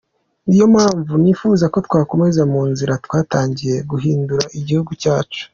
Niyo mpamvu nifuza ko twakomeza mu nzira twatangiye yo guhindura Igihugu cyacu.